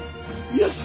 よし！